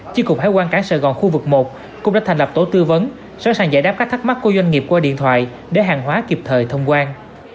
chi cục hải quan cảng sài gòn khu vực một cũng đã thành lập tổ tư vấn sẵn sàng giải đáp các thắc mắc của doanh nghiệp qua điện thoại để hàng hóa kịp thời thông quan